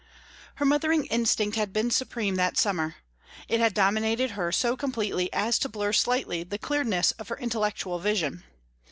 Her mothering instinct had been supreme that summer. It had dominated her so completely as to blur slightly the clearness of her intellectual vision.